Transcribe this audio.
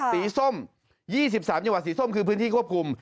ส้ม๒๓จังหวัดสีส้มคือพื้นที่ควบคุม